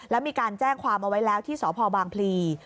แล้วมีการแจ้งความเอาไว้แล้วที่สพบางพลี